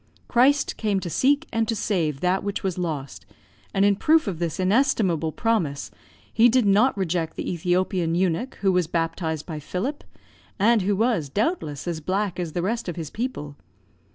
Christ came to seek and to save that which was lost; and in proof of this inestimable promise, he did not reject the Ethiopian eunuch who was baptised by Philip, and who was, doubtless, as black as the rest of his people.